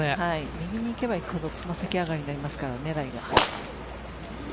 右にいけばいくほど爪先上がりになりますからね